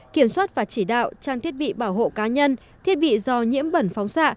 kiểm soát và chỉ đạo trang thiết bị bảo hộ cá nhân thiết bị do nhiễm bẩn phóng xạ